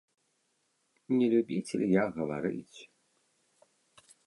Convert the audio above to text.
Не любіцель я гаварыць.